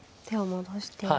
手を戻して。